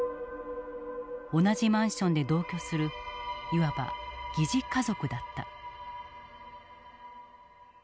同じマンションで同居するいわば疑似家族だった。